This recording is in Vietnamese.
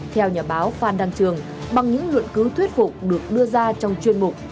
theo nhà báo phan đăng trường bằng những luận cứu thuyết phục được đưa ra trong chuyên mục